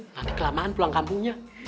nanti kelamaan pulang kampungnya